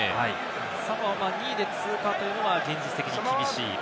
サモアは２位で通過というのは現実的には厳しい。